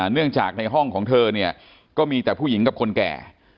เนื่องจากในห้องของเธอเนี่ยก็มีแต่ผู้หญิงกับคนแก่